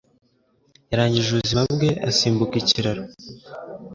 Yarangije ubuzima bwe asimbuka ikiraro.